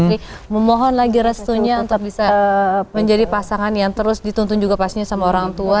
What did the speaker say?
jadi memohon lagi restunya untuk bisa menjadi pasangan yang terus dituntun juga pastinya sama orang tua